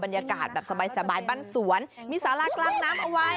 บรรยากาศแบบสบายบ้านสวนมีสารากลางน้ำเอาไว้